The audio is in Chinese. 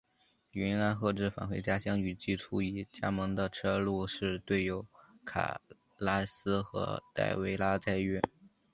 云安贺治返回家乡与季初已加盟的车路士队友卡拉斯和戴维拉再遇。